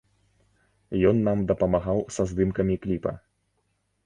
Ён нам дапамагаў са здымкамі кліпа.